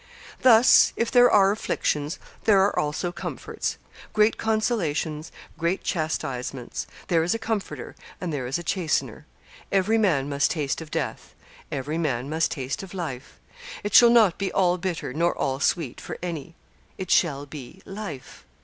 Thus, if there are afflictions, there are also comforts: great consolations, great chastisements. There is a comforter, and there is a chastener. Every man must taste of death: every man must taste of life. It shall not be all bitter nor all sweet for any. It shall be life.